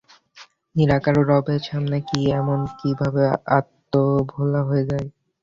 নিরাকার রবের সামনে কি এমনিভাবে আত্মভোলা হওয়া যায়?